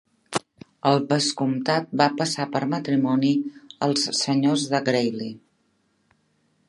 El vescomtat va passar per matrimoni als senyors de Grailly.